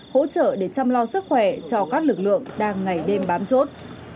hỗ trợ để chăm lo sức khỏe cho các lực lượng đang ngày đêm bám chốt